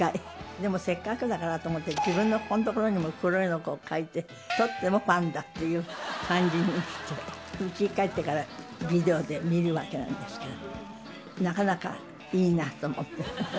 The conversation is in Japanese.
でもせっかくだからと思って、自分のここの所にも黒いのこう描いて、取ってもパンダっていう感じにしてて、うちに帰ってからビデオで見るわけなんですけども、なかなかいいなと思って。